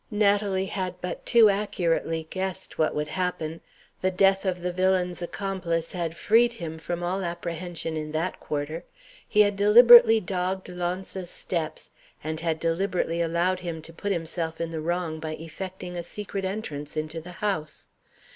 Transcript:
Natalie had but too accurately guessed what would happen. The death of the villain's accomplice had freed him from all apprehension in that quarter. He had deliberately dogged Launce's steps, and had deliberately allowed him to put himself in the wrong by effecting a secret entrance into the house.